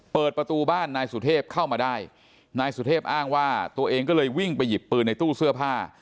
เปิดประตูบ้านนายสุเทพเข้ามาได้นายสุเทพอ้างว่าตัวเองก็เลยวิ่งไปหยิบปืนในตู้เสื้อผ้า